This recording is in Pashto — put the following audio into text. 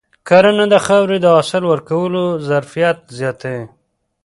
کرنه د خاورې د حاصل ورکولو ظرفیت زیاتوي.